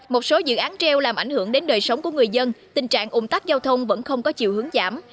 một số dự án treo làm ảnh hưởng đến đời sống của người dân tình trạng ủng tắc giao thông vẫn không có chiều hướng giảm